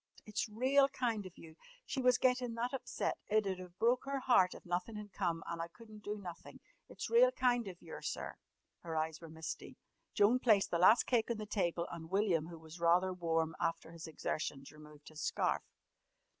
"It's real kind of you. She was gettin' that upset. It 'ud have broke her heart if nothin' had come an' I couldn't do nothin'. It's real kind of yer, sir!" Her eyes were misty. Joan placed the last cake on the table, and William, who was rather warm after his exertions, removed his scarf.